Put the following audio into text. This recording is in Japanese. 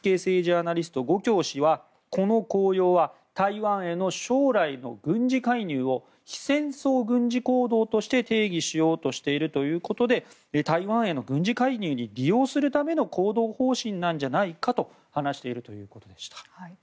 アナリストゴ・キョウ氏はこの綱要は台湾への将来の軍事介入を非戦争軍事行動として定義しようとしているということで台湾への軍事介入に利用するための行動方針なんじゃないかと話しているということでした。